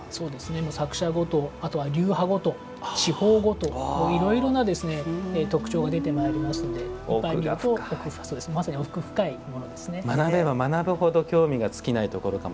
作者ごとあとは流派ごと、地方ごといろいろな特徴が出てまいりますので奥深いものですね。